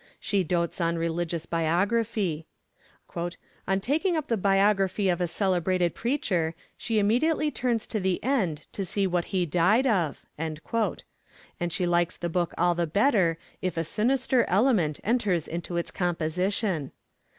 She dotes on religious biography. 'On taking up the biography of a celebrated preacher, she immediately turns to the end to see what he died of,' and she likes the book all the better if a sinister element enters into its composition.